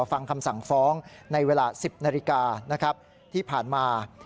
ฟังคำสั่งฟ้องในเวลา๑๐นาฬิกานะครับที่ผ่านมา